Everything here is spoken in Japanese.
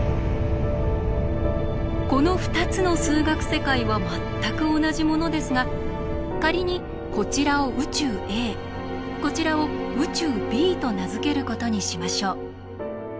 この２つの数学世界は全く同じものですが仮にこちらを宇宙Ａこちらを宇宙Ｂと名付けることにしましょう。